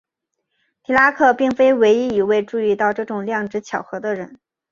狄拉克并非唯一一位注意到这种量值巧合的人。